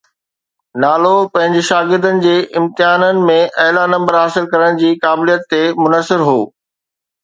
نالو پنهنجي شاگردن جي امتحانن ۾ اعليٰ نمبر حاصل ڪرڻ جي قابليت تي منحصر هو